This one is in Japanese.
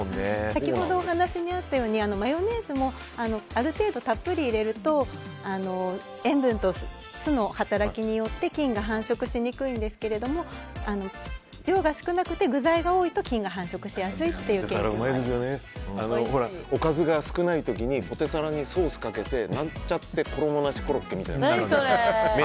先ほどお話にあったようにマヨネーズもある程度たっぷり入れると塩分と酢の働きによって菌が繁殖しにくいですが量が少なくて具材が多いとおかずが少ない時にポテサラにソースをかけてなんちゃってコロッケみたいな。